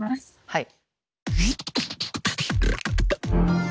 はい。